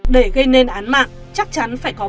để gây nên án mạng chắc chắn phải có